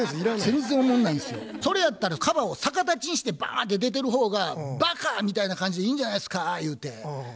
それやったらカバを逆立ちにしてバーンって出てる方が「バカ」みたいな感じでいいんじゃないっすかゆうて。